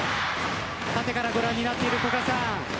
縦からご覧になっている古賀さん。